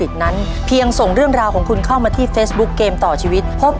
สวัสดีมีพี่